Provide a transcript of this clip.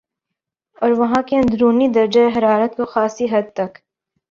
اور وہاں کے اندرونی درجہ حرارت کو خاصی حد تک